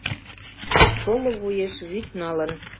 Шоло вуеш вӱд налын